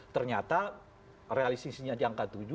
ternyata realisasinya di angka tujuh